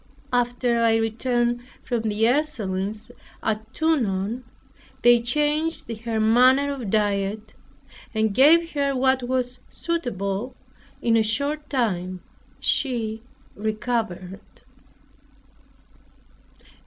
After I returned from the Ursulines at Tonon, they changed her manner of diet, and gave her what was suitable; in a short time she recovered.